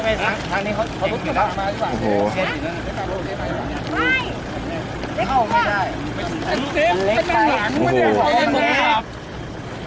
เข้านู้นครับยุงกันครับจำไม่เท่าไรยุ่งกันเลย